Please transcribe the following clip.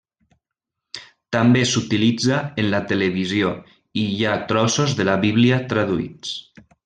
També s'utilitza en la televisió i hi ha trossos de la Bíblia traduïts.